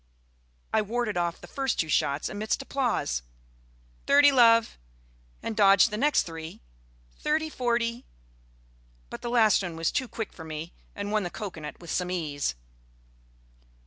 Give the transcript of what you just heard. I warded off the first two shots amidst applause (thirty, love), and dodged the next three (thirty, forty), but the last one was too quick for me and won the cocoanut with some ease.